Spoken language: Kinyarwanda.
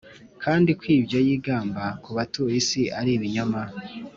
kandi ko ibyo yigamba ku batuye isi ari ibinyoma